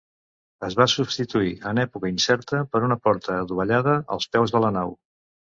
Es va substituir en època incerta per una porta adovellada, als peus de la nau.